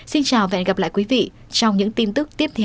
xin chào và hẹn gặp lại quý vị trong những tin tức tiếp theo